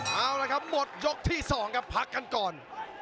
เอาละครับหมดยกที่๒ครับพักกันก่อน